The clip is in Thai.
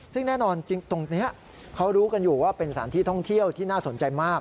ซึ่งแน่นอนจริงตรงนี้เขารู้กันอยู่ว่าเป็นสถานที่ท่องเที่ยวที่น่าสนใจมาก